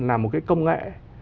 là một cái công nghệ